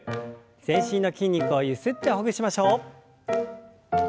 全身の筋肉をゆすってほぐしましょう。